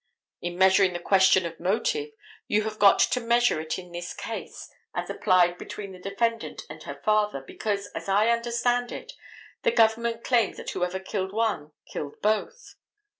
In measuring the question of motive you have got to measure it in this case as applied between the defendant and her father, because, as I understand it, the government claims that whoever killed one killed both.